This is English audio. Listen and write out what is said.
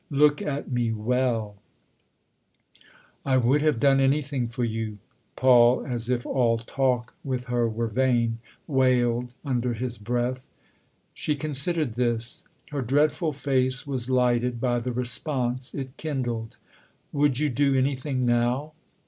Look at me well 1 "" I would have done anything for you !" Paul as if all talk with her were vain, wailed under his breath. THE OTHER HOUSE 313 She considered this ; her dreadful face was lighted by the response it kindled, " Would you do any thing now